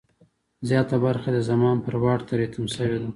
زیاته برخه یې د زمان پر واټ تری تم شوې ده.